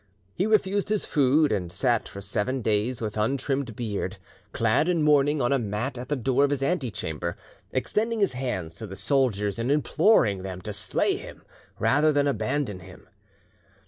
He refused his food, and sat for seven days with untrimmed beard, clad in mourning, on a mat at the door of his antechamber, extending his hands to his soldiers, and imploring them to slay him rather than abandon him.